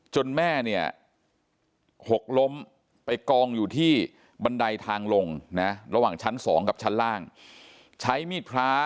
แม่เนี่ยหกล้มไปกองอยู่ที่บันไดทางลงนะระหว่างชั้น๒กับชั้นล่างใช้มีดพระ